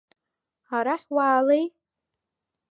Арахь уаалеи!